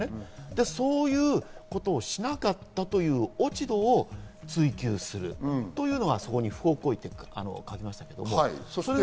そういうことをしなかったという落ち度を追及するというのが不法行為とありますけど、そちら。